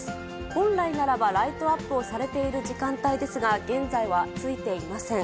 本来ならばライトアップをされている時間帯ですが、現在はついていません。